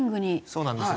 そうなんです。